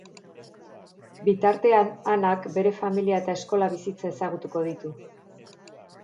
Bitartean, Anak, bere familia eta eskola bizitza ezagutuko ditu.